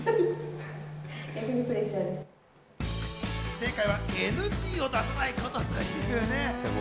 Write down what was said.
正解は、ＮＧを出さないことというね。